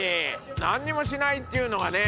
何にもしないっていうのがね。